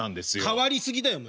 変わり過ぎだよお前。